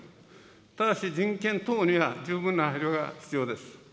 ただし人権等には十分な配慮が必要です。